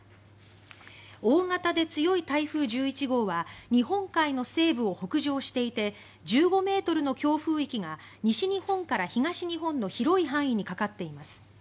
大型で強い台風１１号は日本海の西部を北上していて１５ｍの強風域が西日本から東日本の広い範囲にかかっています。